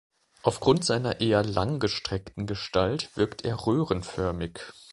Aufgrund seiner eher langgestreckten Gestalt wirkt er röhrenförmig.